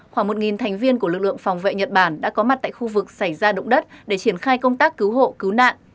khoảng một thành viên của lực lượng phòng vệ nhật bản đã có mặt tại khu vực xảy ra động đất để triển khai công tác cứu hộ cứu nạn